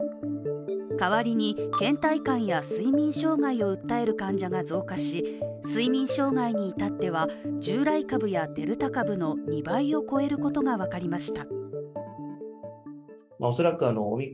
代わりにけん怠感や睡眠障害を訴える患者が増加し睡眠障害に至ってはデルタ株では嗅覚障害や味覚障害やオミクロン株の２倍を超えることが分かりました。